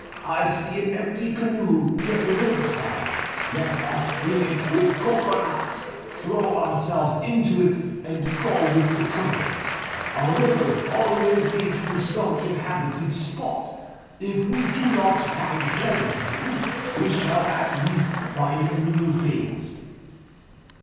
I see an empty canoe near the river side; let us fill it with cocoanuts, throw ourselves into it, and go with the current; a river always leads to some inhabited spot. If we do not find pleasant things we shall at least find new things."